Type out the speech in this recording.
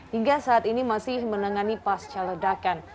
hingga saat ini masih menangani pasca ledakan